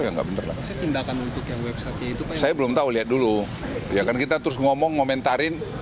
ya kan kita terus ngomong ngomentarin